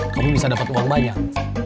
kami bisa dapat uang banyak